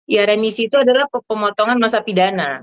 ya remisi itu adalah pemotongan masa pidana